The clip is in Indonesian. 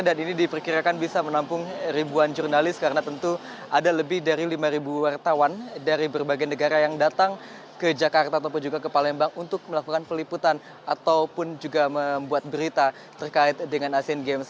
dan ini diperkirakan bisa menampung ribuan jurnalis karena tentu ada lebih dari lima wartawan dari berbagai negara yang datang ke jakarta atau juga ke palembang untuk melakukan peliputan ataupun juga membuat berita terkait dengan asian games